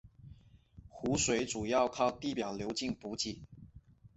湖水主要靠地表径流补给。